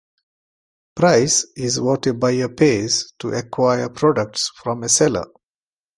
Price is what a buyer pays to acquire products from a seller.